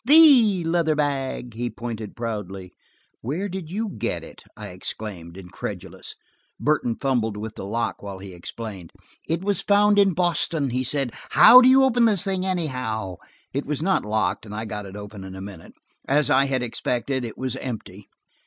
"The leather bag!" he pointed proudly. "Where did you get it?" I exclaimed, incredulous. Burton fumbled with the lock while he explained. "It was found in Boston," he said. "How do you open the thing, anyhow?" It was not locked, and I got it open in a minute. As I had expected, it was empty.